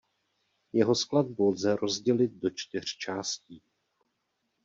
Jeho skladbu lze rozdělit do čtyř částí.